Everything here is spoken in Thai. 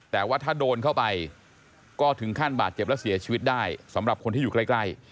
แต่ว่าถ้าโดนเข้าไปก็ถึงขั้นบาดเจ็บและเสียชีวิตได้สำหรับคนที่อยู่ใกล้